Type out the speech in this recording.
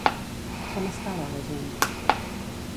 Com estava, la gent?